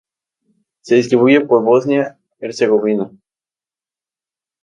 Se distribuye por Bosnia-Herzegovina.